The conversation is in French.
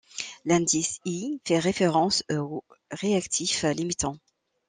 L'indice i fait référence au réactif limitant.